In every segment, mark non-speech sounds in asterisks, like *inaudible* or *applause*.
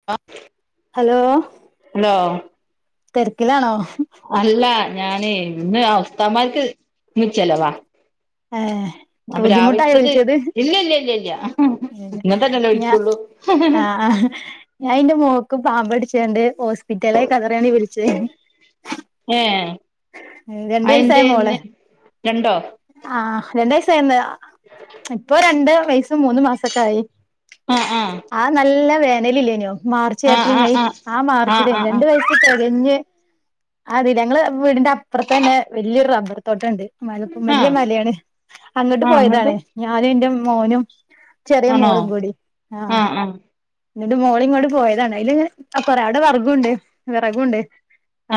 *inaudible* Hello hello തെരക്കിലാണോ അല്ല ഞാനേ ഇന്ന് ഉസ്തമാർക്കു ഇന്ന് ചെലവാ ഏ അപ്പൊ ബുദ്ധിമുട്ടായോ രാവിലത്തത് വിളിച്ചത് ഇല്ല ഇല്ല ഇല്ല ഇല്ല ഇങ്ങൻതന്നെല്ലേ ഞ വിളിക്കുള്ളൂ ആ ആഹ് ഞാൻ ന്റെ മോക്ക് പാമ്പടിച്ചണ്ട് ഹോസ്പിറ്റല കതറിയാന വിളിചേനി ഏ രണ്ട് അതന്തെന്ന് രണ്ടോ ആഹ് *unintelligible* ഇപ്പൊ രണ്ട് വയസ്സും മൂന്ന് മാസൊക്കെ ആയി ആ നല്ല വേനലില്ലേനോ മാർച്ച് ആ ഏപ്രിൽ ആ മെയ് ആ ആ മാർച്ചിലേന ആ *unintelligible* നങ്ങളെ വീടിൻ്റെ അപ്പത്തന്നെ വലിയ റബ്ബർ തോട്ടണ്ട് മലപ്പം ആ വല്യ മലയാണ് അങ്ങട്ട് പോയതാണ് ഞാനും ന്റെ മോനും ചെറിയ ആണോ മോളും കൂടി ആഹ് ആ ആ ന്നിട്ട് മോളിം ങ്ങോണ്ട് പോയതാണ് അയല് ങ്ങനെ കൊറെ ആടെ വർഗുണ്ട് വെറകുണ്ട്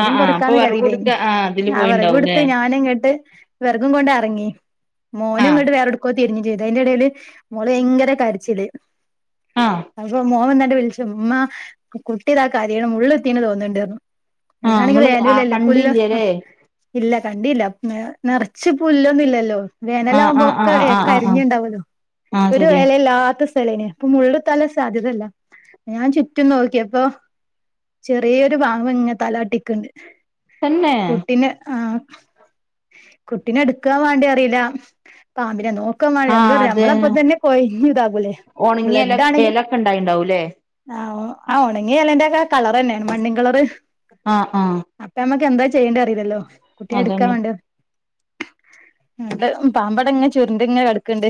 ആ ആ അപ്പൊ പെറുക്കാനിളളതീലേ വെറകൊടുത്ത ആ ഇതില് അത് വർകും പോയിണ്ടാവുംല്ലേ എടുത്ത് ഞാനും ഇങ്ങട്ട് വെറകും കൊണ്ട് ഇറങ്ങി ആ മോനും ഇങ്ങോട്ട് വേറെ *unintelligible* അതിൻ്റെ ടയിൽ മോള് ഭയങ്കര കരച്ചില് ആ അപ്പോ മോന് *unintelligible* മ്മാ കുട്ടിതാ കരിയണ് മുള്ളു കുത്തിന്ന് തോന്നുണ്ട് *unintelligible* ഏയ് ഇല്ല കണ്ടീല്ല നെറച്ച് പുല്ലോന്നും ഇല്ലല്ലോ ആ ആ വേനലകുമ്പോ ആ ഒക്കെ ആ ആ ആ ആ കരിഞ്ഞുണ്ടാവല്ലോ ആ ഒരു ശരിയാ എലല്ലാത്ത അപ്പൊ മുള്ളുത്താനും സാധ്യതല്ല ഞാൻ ചുറ്റും നോക്കിയപ്പോ ചെറിയൊരു പാമ്പ് ങ്ങെ തലാട്ടിക്ക്ണ്ട് തന്നെ കുട്ടിന ആഹ് കുട്ടിന എടുക്കാ വാണ്ടി അറിയില്ല പാമ്പിനെ നോക്കാമാ ആ എന്താ പറയാ നമ്മളപ്പം തന്നെ കൊയിഞ്ഞു ഇതാകൂലേ ഒണങ്ങ്യല എലൊക്കെ ണ്ടായിണ്ടാവുംല്ലേ ആഹ് ആ ഉണെങ്യഎലന്റെ ക്കെ കളർന്നെ മണ്ണ് കളറ് ആഹ്ആഹ് അപ്പ നമ്മക്ക് എന്താ ചെയ്യേണ്ട അറിയില്ലല്ലോ കുട്ടിയ എടുക്കാ അതന്നെ വേണ്ട പാമ്പട ങ്ങെ ചുരുണ്ട്ങ്ങ് കെടക്ക്ണ്ട്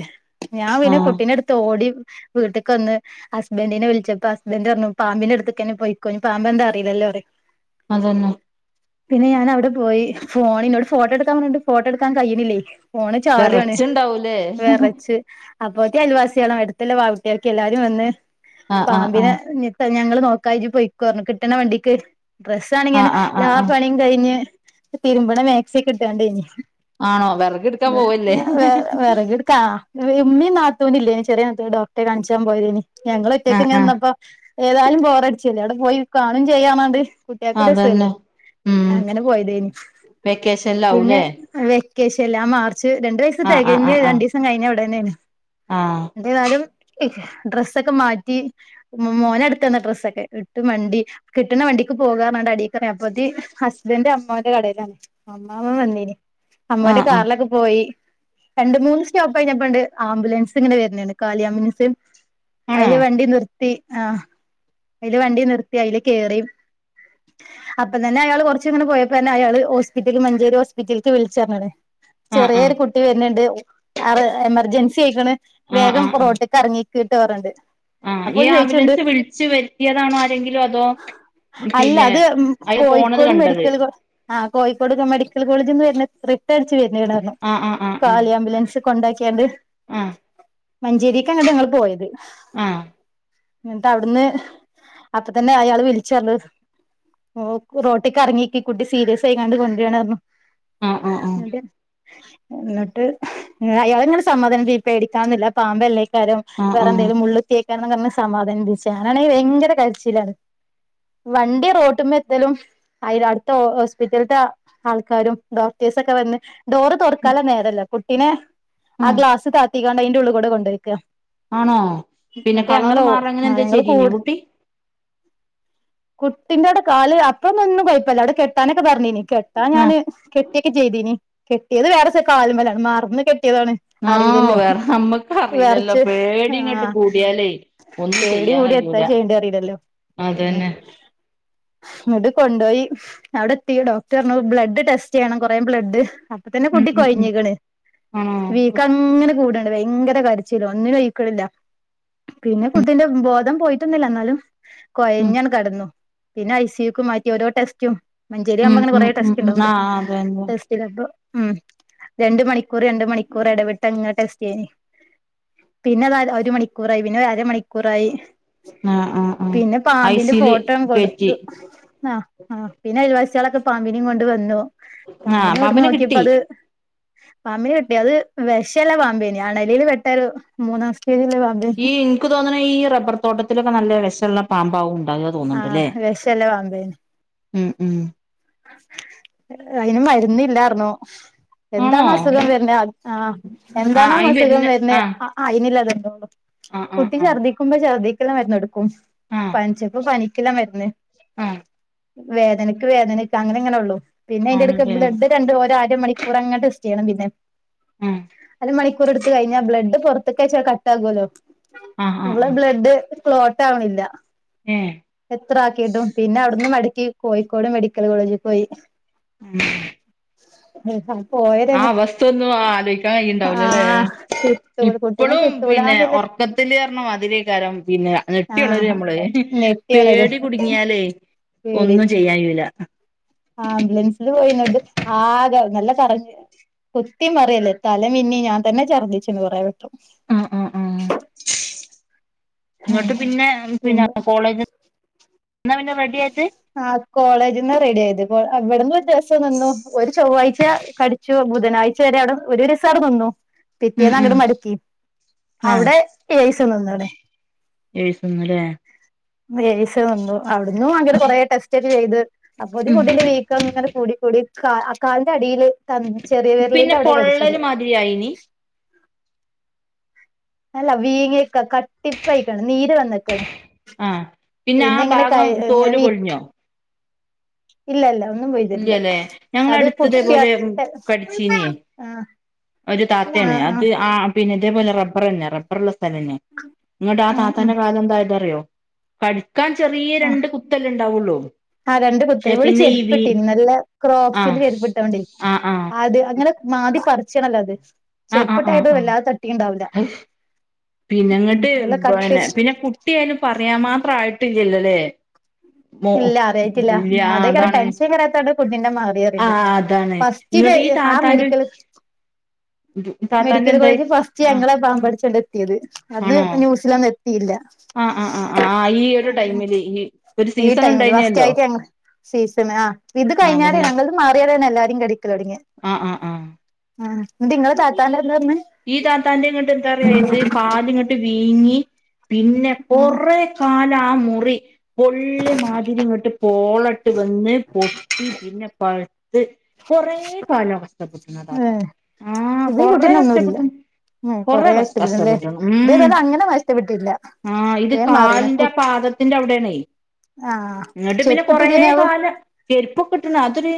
ഞാ പിന്നെ ആഹ് കുട്ടീനടുത്ത് ഓടി വീട്ടക്ക് വന്ന് ഹസ്ബന്റിനെ വിളിച്ചപ്പോ ഹസ്ബന്റ് പറഞ്ഞു പാമ്പന്റെടുതെക്കന്നെ പോയിക്കോ പാമ്പ എന്താ അയില്ലോ അതെന്നെ പിന്നെ ഞാൻ അവിടെ പോയി ഫോണിന്നോട് ഫോട്ടോ എടുക്കാൻ പറഞ്ഞിട്ട് ഫോട്ടോ എടുക്കാൻ കഴിയുന്നില്ലേ ഫോണ് ചാടുവാണ് വെറച്ചുണ്ടാവൂലേ വെറച്ച് അപ്പോത്ത്ന് അയൽവാസികളും അടുത്തുള്ള വാവുട്ടികൾ എല്ലാരും വന്ന് ആഹ് ആഹ് പാമ്പിനെ ആഹ് ഞങ്ങള് നോക്കാ ഇജ് പൊയ്ക്കോന്ന് പറഞ്ഞു കിട്ടണ വണ്ടിക്ക് ഡ്രസ്സ് ആണങ്കി ആഹ് ആഹ് ആഹ് ആഹ് കുളികഴിഞ്ഞ് തിരുമ്പണ മാക്സി ഒക്കെ ഇട്ടാണ്ടെയ്നി ആണോ വെറകെടുക്കാൻ പോവല്ലേ വേറെ വിറകിടു ത്താ ഇമമീം നാത്തൂനുല്ലേനി ചെറിയ നാത്തൂന് ഡോക്ടറെ കാണിച്ചാൻ പോയതെയ്നി ഞങ്ങൾ ഒറ്റക്ക ആഹ് ഇങ്ങനെ ആഹ് നിന്നപ്പോ ഏതായാലും ബോറടിച്ചില്ലേ അവിടെ പോയി കാണും ചെയ്യാന്നാണ്ട് കുട്ടികൾക്കും അതന്നെ രസല്ലേ ഉം അങ്ങനെ പോയതായി നു പിന്നെ വെക്കേഷനിലാവൂലേ വെക്കേഷൻല് ആ മാർച്ച് രണ്ടു വയസ് ആഹ് ആഹ് തികഞ്ഞ് ആഹ് രണ്ടു ദിവസം കഴിഞ്ഞ ഉടനെ യാണ് ആഹ് ഏതായാലും ഡ്രസ്സൊക്കെ മാറ്റി ഉമ്മമോന് എടുത്താണ് ഡ്രസ്സൊക്കെ ഇട്ട് മ ണ്ടി കിട്ടുന്ന വണ്ടിക്ക് പോകാന്ന് പറഞ്ഞ് കാണ്ട് അടീക് അപ്പോത്തി ഹസ്ബൻഡ് അമ്മോന്റെ കടയിലാണ് അമ്മാമ്മ വന്നീന് ആഹ് അമ്മോന്റെ ആഹ് ആഹ് കാറിലൊക്കെ പോയി രണ്ട് മൂന്ന് സ്റ്റോപ്പ് കഴിഞ്ഞപ്പണ്ട് ആംബുലൻസ് ഇങ്ങനെ വരുന്നുണ്ട് കാലി ആംബുലൻസ് ആണോ അയില് വണ്ടി നിർ ആ ഒരു വണ്ടി നിർത്തി അതിൽ കേറി അപ്പതന്നെ പിന്നെ അയാൾ കുറച്ച അങ്ങട്ട് പോയപ്പോതന്നെ അയാൾ ഹോസ്പിറ്റലിൽ മഞ്ചേരി ഹോസ്പിറ്റൽ ക്ക് വിളിച്ച് പറഞ്ഞകണ് ആഹ് ചെറിയൊ ആഹ് കുട്ടി വണ്ടി വര്ന്ണ്ട് ആ എമർജൻസി ആയിക്കണ് ആഹ് വേഗം റോട്ടിൽക്ക് ഇറങ്ങിക്ക്ട്ടോന്ന് പറഞ്ഞ്കാണ്ട് ആ ഈ ആംബുലൻസ് വിളിച്ച് വരുത്തിയതാണോ ആരെങ്കിലും അതോ അല്ല പിന്നെ അത് ഉം പോണത് കോഴിക്കോട് കണ്ടത് മെഡിക്കൽ കോളേജി ആ കോഴിക്കോട് മെഡിക്കൽ കോളേജ്ന്ന് വരുന്ന റിട്ട അടച്ച് വരുന്നതാണീ ഒരെണ്ണം ആഹ് ആഹ് ആഹ് കാലി ആംബുലൻസ് കൊണ്ടാക്കികാ ണ്ട് ആഹ് മഞ്ചേരിക്ക അങ്ങോട്ട് ഞങ്ങൾ പോയത് ആഹ് എന്നിട്ട അവിടുന്ന് അപ്പതന്നെ അയാള് വിളിച്ച് പറഞ്ഞ് *unintelligible* റോട്ടിക്ക് ഇറങ്ങിനിക്കി കുട്ടി സീരിയസ് ആയികാണ്ട് കൊണ്ടുവരു വായിരുന്നു ആഹ് ആഹ് എന്നിട്ട് എന്നിട്ട് അയാള് ഇങ്ങനെ സമാധാനി പ്പിച്ച് പേടിക്കാനൊന്നില്ല പാമ്പല്ലേ വേറെ ആഹ് ആഹ് എന്തെങ്കിലും ആഹ് മുള്ള് കുത്തിയത് പറഞ്ഞ് സമാധാനിപ്പിച്ച് ഞാനാണെങ്കി ഭയങ്കര കരച്ചിലാണ് വണ്ടി റോട്ടുമ്മ ത്തലും അയ്ല് അടുത്ത ഹോസ്പിറ്റൽത്തെ ആൾക്കാരും ഡോക്ടേഴ്സൊക്കെ വന്ന് ഡോറ് തൊറക്കാനുള്ള നേരല്ല കുട്ടിനെ ആ ഉം ഗ്ലാസ് താത്തികാണ്ട് അയിന്റെ ഉള്ള് ക്കൂടെ കൊണ്ടെയ്ക്ക ആണോ പിന്നെ എന്നിട്ട് കളറ് ഞങ്ങള് ഓ മാറാ അങ്ങനെ എന്താ ഞങ്ങള് ചെയ്തീനോ കൂട് കുട്ടി കുട്ടിന്റെ അവിടെ കാല് അപ്പൊ ഒന്ന് ഒന്നും കുഴപ്പമില്ല അവിടെ കെട്ടാനൊക്കെ പറഞ്ഞീനി കെട്ടാൻ ഞാന് കെട്ടിയൊക്കെ ചെയ്തീനി കെട്ടിയത് വേറെ കാലിമ്മ ലാണ് മറന്ന് കെട്ടിയതാണ് ആഹ് അറിയില്ലല്ലോ വേറെ നമ്മക്ക് അറിയില്ലല്ലോ വെറച്ച് പേടി ഇങ്ങട്ട് ആഹ് കൂടിയാലേ ഒന്നും പേടി ചെയ്യാൻ കൂടി എത്താ കഴിയൂല ചെയ്യണ്ടേ അറിയില്ലല്ലോ അത് തന്നെ ഇന്നട്ട് കൊണ്ടുപോയി അവിടെ എത്തി ഡോക്ടർ പറഞ്ഞു ബ്ലഡ് ടെസ്റ്റ് ചെയ്യണം കൊറേ ബ്ലഡ് അപ്പത്തന്നെ ഉം കുട്ടി ഉം ഉം കൊഴഞ്ഞ്ക്ക്ണ് ആണോ വീക്കം അങ്ങനെ കൂടാണ് ഭയങ്കര കരച്ചിലും ഒന്നിനും അയ ക്കണില്ല പിന്നെ കുട്ടിന്റെ ബോധം പോയിട്ടൊന്നില്ല എന്നാലും ഉം കൊഴഞ്ഞങ്ങനെ കെടന്നു പിന്നെ ഐ സി യുക്ക് മാറ്റി ഓരോ ടെസ്റ്റും മഞ്ചേരി ഉം ആകുമ്പോ അങ്ങനെ കൊറേ ഉം ഉം ടെസ്റ്റ് ഉം ഉണ്ടാവല്ലോ ആഹ് അതന്നെ ടെസ്റ്റ് ചിലപ്പോ ഉം രണ്ട് മണിക്കൂർ രണ്ട് മണിക്കൂർ ഇടവിട്ട് അങ്ങനെ ടെസ്റ്റെയ്നി പിന്നെ അത് ഒരു മണിക്കൂറായി പിന്നെ അര മണിക്കൂർ മണിക്കൂറായി ആഹ് ആഹ് ആഹ് പിന്നെ ഐ പാമ്പിന്റെ സി യുല് ഫോട്ടോ കൊടുത്തു കേറ്റി *unintelligible* ആ ആ പിന്നെ അയ ൽവാസികളൊക്കെ പാമ്പിനിംകൊണ്ട് വന്നു ആഹ് പാമ്പിനെ കൊട്ന്ന് നോക്കിയപ്പോ കിട്ടി അത് പാമ്പിനെ കിട്ടി അത് വിഷള്ള പാമ്പെ യ്നി അണലിയിൽ പെട്ട ഒരു മൂന്നാം സ്റ്റേജുള്ള പാമ്പെയ്നി ഈ എനിക്ക് തോന്നുന്നത് ഈ റബ്ബർ തോട്ടത്തിലൊക്കെ നല്ല വിശമുള്ള പാമ്പാവും ഉണ്ടാവുക ആഹ് വിഷള്ള പാമ്പെയ്ന് ഉം ഉം അയിന് മരുന്നില്ലർഞ്ഞു ആണോ എന്താണോ അസുഖം വരുന്നെ ആഹ് ആഹ് എന്താണോ അയിന് അസുഖം വരുന്ന വരുന്നെ ആഹ് അയിനില്ല *unintelligible* ആഹ് ആഹ് കുട്ടി ആഹ് ഛർദ്ദിക്കുമ്പോ ഛർദ്ദിക്കുള്ള മരുന്ന് *unintelligible* ആഹ് പനിച്ചപ്പോ പനിക്കുള്ള മരുന്ന് ആഹ് വേദനക്ക് വേദന അങ്ങനെ ഇങ്ങനെ ഉള്ളു പിന്നെ അതിന്റെടുക്കെ ആണ്ല്ലേ ബ്ലഡ് രണ്ട് ഒരരമണിക്കൂർ അങ്ങനെ ടെസ്റ്റ് ചെയ്യണം പിന്നെ ആഹ് അര മണിക്കൂർ എടുത്ത് കഴിഞ്ഞാ ബ്ലഡ് പുറത്തക്കെ *unintelligible* കട്ട് ആകല്ലോ ആഹ് ഇവളെ ആഹ് ആഹ് ബ്ലഡ് ക്ലോട്ട് ആവണില്ല ഉം എത്ര ആക്കിയിട്ടും പിന്നെ അവിടുന്ന് മടക്കി കോയിക്കോട് മെഡിക്കൽ കോളേജിൽ പോയി ഉം *inaudible* പോയ ആ രംഗ അവസ്ഥ ഒന്നും ആലോചിക്കാൻ കഴിയിണ്ടാവൂലല്ലേ ആഹ് *unintelligible* കിട്ടൂല കുട്ടീനെ ഇപ്പളും പിന്നെ കിട്ടൂലാന്നില്ല ഉറക്കത്തി *unintelligible* അതിലേ *unintelligible* പിന്നെ ആഹ് ഞെട്ടിയുണരുവാ നമ്മള് *unintelligible* നെട്ടിയൊണരും പേടി കുടുങ്ങിയാലേ പേടി ഒന്നും ചെയ്യായ്യുല്ല ആംബുലൻസില് പോയി *unintelligible* ണ്ട് ആകെ നല്ല കരഞ്ഞ് കുത്തി മറയല്ലേ തല മിന്നി ഞാൻ തന്നെ ഛർദ്ദിച്ചന്ന് കുറേവെട്ടം ഉം ഉം ഉം *unintelligible* പിന്നെ പിന്നെ കോളേജ് *unintelligible* പിന്നെ റെഡി ആയിട്ട് ആഹ് കോളേജീന്നാ റെഡി ആയത് അവിടന്ന് ഒരു ദിവസം നിന്നു ഒരു ചൊവ്വാഴ്ച കടി ബുധനാഴ്ച വരെ അവിടെ ഒരു *unintelligible* അവിടെ നിന്നു ഉം പിറ്റേന്ന് ഉം അങ്ങട് മടുക്കി ആഹ് അവിടെ ഏഴൂസം നിന്നവിടെ ഏഴൂസം നിന്നൂല്ലേ ഏഴൂസം നിന്നു അവിടന്നു അങ്ങനെ കൊറെ ടെസ്റ്റ് ഒക്കെ ചെയ്ത് അപ്പൊ *unintelligible* ഉം കുട്ടിന്റെ വീക്കം ഇങ്ങനെ കൂടി കൂടി കാലിന്റെ അടിയില് *unintelligible* ചെറിയ പിന്നെ വിരലിന്റെ അവിടെ കടിച്ചത് *unintelligible* അല്ല വീങ്ങിക്ക കട്ടിപ്പായ്ക്കാണ് നീര് വന്ന്ക്കാണ് ആഹ് പിന്നെ ആ ഭാഗം ഇങ്ങനെ തോല് പൊളിഞ്ഞോ ഇല്ല ഇല്ല ഒന്നും പോയ്തിട്ടില്ല ഇല്ലല്ലേ ഞങ്ങളെ അത് അടുത്ത് കുട്ടിയ ഇതേപോലെ കടിച്ചീനിയെ *unintelligible* ഒരു താത്തീണ് ആഹ് അത് ആഹ് ആ പിന്നെ ഇതേപോലെ റബ്ബറന്നെ റബ്ബർ *unintelligible* സ്ഥലന്നെ എന്നിട്ടാ ഉം ഉം താത്തന്റെ കാല് എന്തായിന്നറിയോ കടി *unintelligible* ചെറിയ ആഹ് രണ്ട് കുത്തല്ലേ ഉണ്ടാവുള്ളൂ ആഹ് രണ്ട് കുത്ത് പക്ഷെ ഇവിള് പിന്നെ ഈ വി ചെരുപ്പിട്ടിനി നല്ല ആഹ് ക്രോക്സിന്റെ ചെരുപ്പിട്ടോണ്ടെ ആഹ് ആഹ് അത് അങ്ങനെ മാന്തി പറിച്ചണല്ലോ അത് ആഹ് ആഹ് ചെരുപ്പിട്ടായിട്ട് ആഹ് വല്ലാതെ തട്ടിണ്ടാവൂല്ല *unintelligible* ഉം പിന്നെങ്ങോട്ട് നല്ല കട്ടി പിന്നെ പിന്നെ കു കുട്ടിയയിന് പറയാൻ മാത്രം ആയിട്ടില്ലല്ലോ അല്ലേ ഇല്ല അറിയായിട്ടില്ല അതേക്ക *unintelligible* അതാണ് ടെൻഷ *unintelligible* ആഹ് അതാണ് *unintelligible* ഫസ്റ്റില് ഇങ്ങോട്ട് ഈ ആ താത്താന്റെ മെഡിക്കൽ താത്താന്റെ മെഡിക്കൽ എന്തായി കോളേജ് ഫസ്റ്റ് ആഹ് ഞങ്ങളാ പാമ്പ് കടിച്ചുകൊണ്ട് എത്തിയത് അന്ന് ആണോ ന്യൂസില് *unintelligible* *unintelligible* ആഹ് ആഹ് ആഹ് ഈ ഒരു ടൈമില് ഈ ഒരു ഈ സീസൺ ടൈമിൽ ഉണ്ടായിനല്ലോ ഫസ്റ്റായിട്ട് *unintelligible* സീസൺ ആ ഇത് ആഹ് അതന്നെ കഴിഞ്ഞരെണ് മാറിയരെണ് എല്ലാരും കടിക്കലോടെങ്ങിയെ ആഹ് ആഹ് ആഹ് *unintelligible* നിങ്ങളെ താത്താന്റെ എന്താ പറഞ്ഞെ ഈ താത്താന്റെ ഇങ്ങോട്ട് എന്താ പറയാ ഇത് കാലിങ്ങോട്ട് വീങ്ങി പിന്നെ ഉം കൊറേ കാലാ മുറി പൊള്ളി മാതിരി ഇങ്ങോട്ട് പോളട്ട് വന്ന് പൊ പിന്നെ പഴുത്ത് കൊറേ കാലാ ഏ *unintelligible* ആഹ് ഇത് ഈ കൊറെ കുട്ടീനൊന്നുല്ല കഷ്ടപ്പെട്ട് ഉം കൊറെ *unintelligible* ഇതേതല്ല അങ്ങനെ നഷ്ടപ്പെട്ടില്ല ആഹ് ഇത് വേം മാറീണ് കാലിന്റെ കു ആ പാദത്തിന്റെ അവിടെയാണെ ആ ഇങ്ങിട്ട് പിന്നെ കൊറേ ചെരുപ്പിട്ടില്ലേനാവോ കാല ചെരുപ്പൊ ഇട്ടണ അതൊരു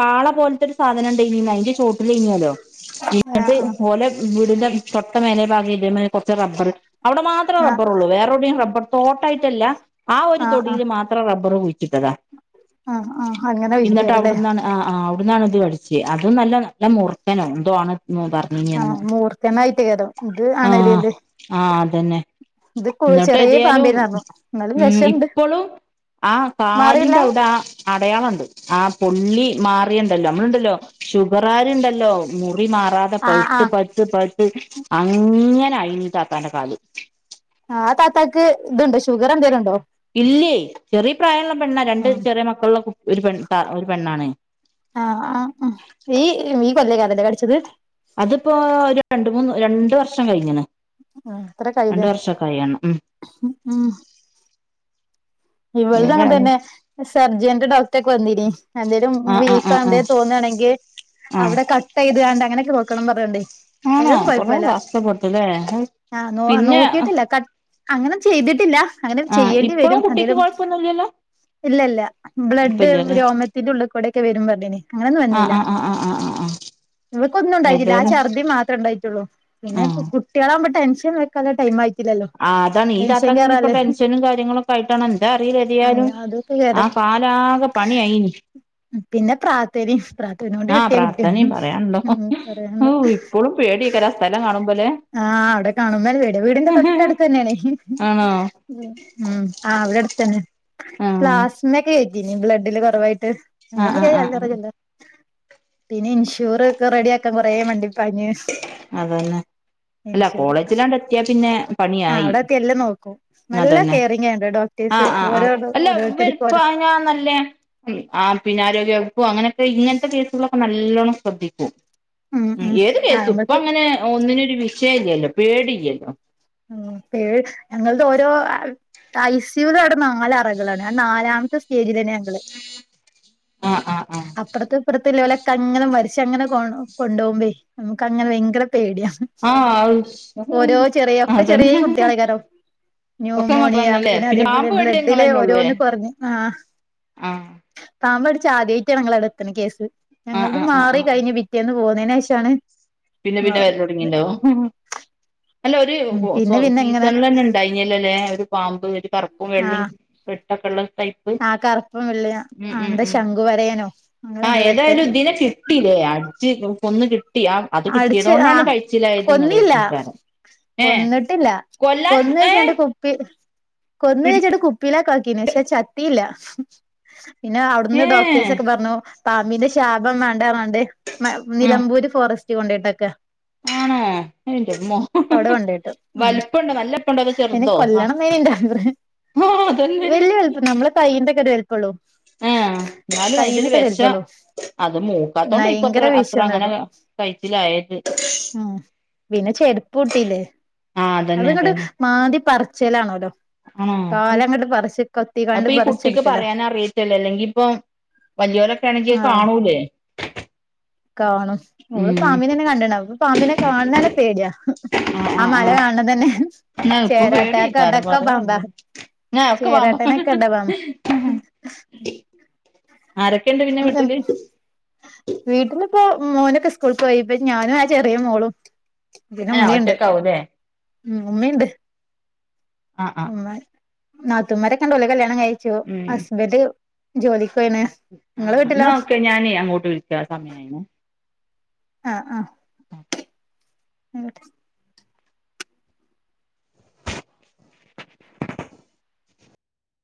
പാള പോലത്തെ ഒരു സാധനണ്ടായിനിം അയിന്റെ ചോട്ടി ഇലേനോലോ ആ എന്നിട്ട്ട്ട് ഓലെ വീടിന്റെ തൊട്ട മേലെ ഭാഗം ഇത കൊറച്ച് റബ്ബറ് അവിടെ മാത്രേ ആ ആ റബ്ബർ ഉള്ളൂ വേറെവിടെയും റബ്ബർ തോട്ടായിട്ടല്ല ആ ഒരു തൊടിൽ മാത്രം റബ്ബർ കുഴിച്ചിട്ടതാ ആ ആ അങ്ങനെ എന്നിട്ട് വീഴ്ച്ചിട്ടേക്കാരല്ലേ അവിടുന്നാണ് ആഹ് ആഹ് അവിടന്നാാണ് ഇത് പഠിച്ചത് അതും നല്ല നല്ല മുർക്കനോ എന്തോ ആണ് പറ ആ *unintelligible* മൂർഖനായിട്ടേക്കാരം ഇത് ആഹ് ആണേലില്ലേ ആഹ് അതന്നെ ഇത് കു ന്നിട്ട് ചെറിയ ഏതായാലും പാമ്പേനർഞ്ഞു എന്നാലും ഉം വെഷണ്ട് ഇപ്പളും ആഹ് മാറിയില്ല കാലിന്റെ അവിടാ അടയാളണ്ട് ആ പൊള്ളി മാറിയണ്ടല്ലോ നമ്മളുണ്ടല്ലോ ഷുഗർ ആരുണ്ടല്ലോ മുറി മാറാ ആ ആ പൗത് പൗത് പൈത്ത് അങ്ങാനായിനി താത്താന്റെ കാൽ ആഹ് താത്താക്ക് ഇതുണ്ടോ ഷുഗർ എന്തേങ്കലും ഉണ്ടോ? ഇല്ലേ ചെറിയ പ്രായള്ള പെണ്ണ രണ്ട് ഉം ചെറിയ മക്കളുള്ള ഒരു പെ ത ഒരു പെണ്ണാണ് ആഹ് ആഹ് *unintelligible* കൊല്ലക്കയ്ക്കാരലെ കടിച്ചത് അതിപ്പോ ഒരു രണ്ട മൂന്ന് രണ്ട് വർഷം കഴിഞ്ഞണ് രണ്ട് വർഷാ കഴിയണം മ് ഉം ഉം ഇവള്ടെ ഏതായാലും അങ്ങതന്നെ സർജന്റെ ഡോക്റ്ററൊക്കെ വന്നിനി എന്തേലും ആ ആ വീക്കോ ആ ആ എന്തേും തോന്നുകയാണെങ്കിൽ ആ അവിടെ കട്ട് ചെയ്ത് കണ്ട് അങ്ങനെയൊക്കെ നോക്കണം പറയണ്ടേ ആണോ അയ്ലൊന്നും കൊറേ കൊയപ്പില്ല കഷ്ടപ്പെട്ടുല്ലേ ആഹ് പിന്നെ നോക്കിട്ടില്ല ക അങ്ങനൊന്നും ചെയ്തിട്ടില്ല അങ്ങനെ ചെയ്യേണ്ടി വരും എന്തേലും കൊഴപ്പോന്നൂല്ലല്ലോ ഇല്ല ഇല്ല ബ്ലഡ് രോമത്തിന്റെ ഉള്ളിൽ കൂടെ ഒക്കെ വരും പറഞ്ഞിനി അങ്ങനൊന്നും ആഹ് വന്നില്ല ആഹ് ആഹ് ആഹ് ആഹ് ആഹ് ആഹ് ഇവക്കൊന്നും ഉണ്ടായിട്ടില്ല ആ ഏതായാലും ഛർദി മാത്രേ ഉണ്ടായിട്ടുള്ളൂ പിന്നെ ആഹ് കുട്ട്യാളാവുമ്പോ ടെൻഷൻ വെക്കാനുള്ള ടൈം ആയി ആഹ് അതാണ് ഈ താത്താക്ക ഇപ്പൊ ടെൻഷനും കാര്യങ്ങളൊക്കെ കയിട്ടണം എന്താ അറിയില അങ്ങ എതിയാലും അതൊക്കെ കേര ആ കാലാകെ പണി അയിനി പിന്നെ പ്രാത്തന പ്രാത്തന കൊണ്ട് ആഹ് കിട്ടിയ കുട്ടിയാന്ന് പ്രാർത്ഥനയും പറയാനുണ്ടോ ഒന്നും പറയ ഓ ഇപ്പോഴും പേടിയയ്ക്കാരം ആ സ്ഥലം കാണുമ്പോലെ? ആഹ് അവിടെ കാണുന്നെന്നെ പേടിയാ വീടിന്റെ തൊട്ടടുത്ത് തന്നെയണേ ആണോ ഉം ആഹ് ഇവിടെ അടുത്ത തന്നെ ആഹ് പ്ലാസ്മ ഒക്കെ കേറ്റിനി ബ്ലഡില് കൊറവായിട്ട് ആഹ് അങ്ങനൊക്കെ ആഹ് ആഹ് അൽറല്ലോ പിന്നെ ഇൻഷൂർ ഒക്കെ റെഡിയക്കാൻ കൊറേ വണ്ടിപ്പാഞ്ഞു അതന്നെ അല്ല കോളേജിലാണ്ട എത്തിയാ പിന്നെ ആഹ് പണിയായി അവിടെത്തി എല്ലാം നോക്കും നല്ല അതന്നെ കെയറിങ് ആണ് ഡോക്ടേഴ്സ് ആഹ ആഹ് ഓരോ ആഹ് അല്ല ഓരോരുത്തർക്കും ഓരോ *unintelligible* *unintelligible* ആ പിന്നെ ആരോഗ്യ വകുപ്പ അങ്ങനക്കെ ഇങ്ങനത്തെ കേസുകളൊക്കെ നല്ല നല്ലോണം ശ്രെദ്ദിക്കും ഉം ഉം ഏത് ആഹ് കേസും ഇപ്പൊ നമ്മക്ക് അങ്ങനെ ഒന്നിനൊരു വിഷയല്ലല്ലോ പേടിയില്ലല്ലോ ഉ പേഴ് ഞങ്ങളുടെ ഓരോ *unintelligible* അവിടെ നാല് അറകളാണ് ഞാൻ നാലാമത്തെ സ്റ്റേജില്ലെന്നു ഞങ്ങള് ആഹ്‌ ആഹ്‌ ആഹ്‌ അപ്പുറത്തെ ഇപ്പുറത്ത ഇളൊലെക്കെ അങ്ങനെ മരിച്ച് അങ്ങനെ കൊ കൊണ്ടോവുമ്പേ നമുക്ക് അങ്ങനെ ഭയങ്കര പേടിയാ ആഹ് ഓരോ ചെറിയ ആഹ് ഒക്കെ ചെറിയ അതന്നെ കുട്ടികളികാരം ഒക്കെ ന്യൂമോണിയ മക്കളന്നല്ലേ പിന്നെ അതേപോലെ പാമ്പ് കടിച്ചത് ബ്ലഡിലെ ഇങ്ങളന്നെ ഉള്ളൂ ല്ലേ ഓരോന്ന് കുറഞ്ഞു ആഹ് ആഹ് പാമ്പ് കടിച് ആദ്യമായിയിട്ട ഞങ്ങള അവിടെ എത്തണ കേസ് ആഹ് ഞങ്ങളത് ആഹ് ആഹ് മാറി ആഹ് കഴിഞ്ഞഞ് പിറ്റേന്ന് പോന്നേനുശേഷാണ് പിന്നെ പിന്നെ വരലോടങ്ങീണ്ടാവും അല്ല ഒരു ഉം പിന്നെ പിന്നെ ഇങ്ങനെ സീസണില് തന്നെ കഴിഞ്ഞല്ലോ ല്ലെ ഒരു പാമ്പ് ഒരു കറുപ്പും വെള്ളയും വെട്ടൊക്കെുള്ള ആ കറുപ്പും വെള്ള ആ എന്താ ശംഖു വരയനോ അങ്ങനെ ആഹ് എന്താ വിട്ട് *unintelligible* കിട്ടില്ലേ അടിച്ച് കൊന്ന് കിട്ടി അത് കിട്ടിയത് അടിച്ച് കൊണ്ടാണ് ആഹ് കഴിച്ചില്ലായത്ങ്ങള് കൊന്നില്ല കരുതീട്ടാണ് കൊന്നിട്ടില്ല കൊന്ന് വെച്ചട്ട ഏഹ് കുപ്പി കൊന്ന് പിടിക്ക വെച്ചിട്ട കുപ്പി പ്പീലോക്കാക്കീന് പക്ഷെ ചത്തിയില്ല പിന്നെ അവിടുന്ന് ഏഹ് ഡോക്ടേഴ്സൊക്കെ പറഞ്ഞു പാമ്പിന്റെ ശാപം വേണ്ട അറ്ഞ്ഞി കാണ്ട് ആഹ് നിലമ്പൂര് ഫോറസ്റ്റ് കൊണ്ടയ്ട്ടെക്കാ ആണോ എന്റെമ്മോ ഉം വലുപ്പണ്ടോ നല്ലവൽപ്പണ്ടോ അതോ അയിനെ ചെറുതോ സ ആഹ് കൊല്ലണംന്നേനി ഇന്റെ ആഗ്രഹം ഹ അതന്നെ വല്യ വലുപ്പം നമ്മളെ കയ്യിന്റെ ന്റെ ഒക്കെ വലുപ്പള്ളൂ ആഹ് എന്നാലും അതിന്റെരു കയ്യിന്റെക്കെ ഒരു വിശം വലുപ്പള്ളൂ അത് മൂക്കാത്തോണ്ട് ഇപ്പ അത്ര ഭയങ്കര അത്ര വിഷാണ് അങ്ങനെ പറഞ്ഞു കയ്ച്ചിലായത് ഉം പിന്നെ ചെരുപ്പൂട്ടില്ലേ ആഹ് അതന്നെ അത്ങ്ങട്ട് അതന്നെ മാന്തി പറിച്ചിലാണല്ലോ ആണോ കാല അങ്ങട്ട് പറിച്ച് മാ അപ്പൊ ഈ കുട്ടിക്ക് പറയാന് അറിയായിട്ടല്ലേ അല്ലെങ്കി ഇപ്പം വലിയോറൊക്കെ ആണെങ്കിൽ ആഹ് കാണൂലേ. കാണും ഓള് ഉം പാമ്പിനന്നെ കണ്ടിന് അപ്പൊ പാമ്പിനെ കാണുന്നനെ പേടിയാ ആഹ് ആ മല ആഹ് ആഹ് കാണ് തന്നെ ന്നാ ഇപ്പൊ പേടിയേക്കാരം ചേരാട്ടടക്കം പാമ്പാ പറയാല്ല ഞാൻ ഒക്കെ പാമ്പ ചേരാട്ടനെക്കെണ്ട പാമ്പ് ആരൊക്കെ ഉണ്ട് പിന്നെ വീട്ടില് വീട്ടിലിപ്പോ മോനൊക്കെ സ്കൂളിൽ പോയി പ്പ ഞാനും ആ ചെറിയ മോളും പിന്നെ ഏഹ് ഉമ്മയുണ്ട് ഒറ്റക്കാവൂല്ലേ ഉം ഉമ്മമ്മ യുണ്ട് ആഹ് ആഹ് ഉമ്മ നാത്തൂമാരൊക്കെ ണ്ട് ഓലെ കല്യാണം കഴിച്ചു ഹസ്ബന്ഡ് ജോലിക്ക് പോയിണ് ആ നിങ്ങളെ ന്ന വീട്ടിലോ ഒക്കെ ഞാനീ അങ്ങോട്ട് വിളിക്ക സമയായീണെ ആഹ് ആഹ് *inaudible* ഉം